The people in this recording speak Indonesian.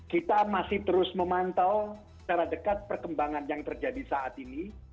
kita masih terus memantau secara dekat perkembangan yang terjadi saat ini